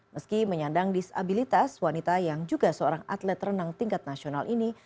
meski menyandang disabilitas wanita yang juga seorang atlet renang tingkat nasional ini